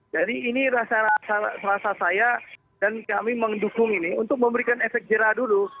jadi ini rasa rasa saya dan kami mendukung ini untuk memberikan efek jerah dulu